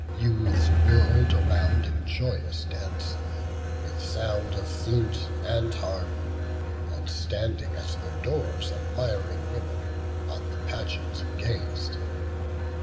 Youths whirl'd around in joyous dance, with sound Of flute and harp; and, standing at their doors, Admiring women on the pageant gaz'd.